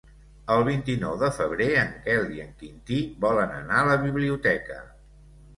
El vint-i-nou de febrer en Quel i en Quintí volen anar a la biblioteca.